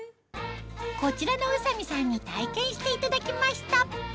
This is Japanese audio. こちらの宇佐美さんに体験していただきました